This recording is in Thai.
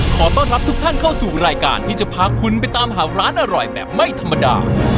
ขอต้อนรับทุกท่านเข้าสู่รายการที่จะพาคุณไปตามหาร้านอร่อยแบบไม่ธรรมดา